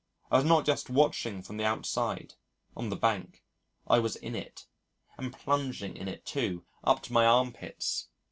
I was not just watching from the outside on the bank. I was in it, and plunging in it, too, up to my armpits.